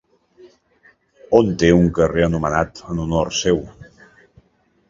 On té un carrer anomenat en honor seu?